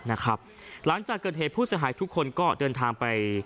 หลังจากเกิดเหตุผู้เสียหายทุกคนก็เดินทางไป